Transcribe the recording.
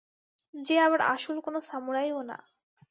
যে আবার আসল কোনো সামুরাই ও না।